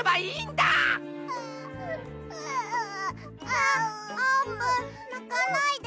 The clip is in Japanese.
あっあーぷんなかないで。